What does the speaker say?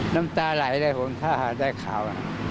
น้ำตาไหลเลยผมถ้าได้ข่าว